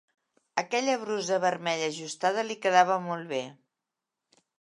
Aquella brusa vermella ajustada li quedava molt bé